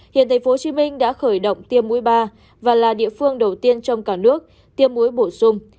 hiện tp hcm đã khởi động tiêm mũi ba và là địa phương đầu tiên trong cả nước tiêm muối bổ sung